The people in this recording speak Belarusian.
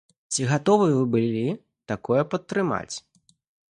Ці гатовыя б вы былі такое падтрымаць?